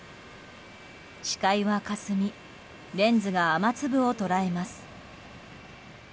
視界はかすみレンズが雨粒を捉えます。